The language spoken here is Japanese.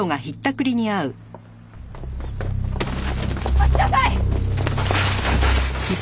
待ちなさい！